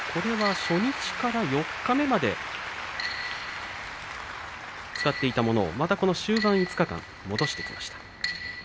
初日から四日目まで使っていたものを終盤５日間、戻してきました。